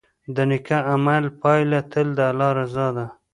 د نیک عمل پایله تل د الله رضا ده.